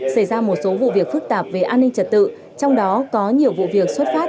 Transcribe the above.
xảy ra một số vụ việc phức tạp về an ninh trật tự trong đó có nhiều vụ việc xuất phát